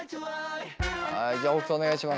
はいじゃあ北斗お願いします。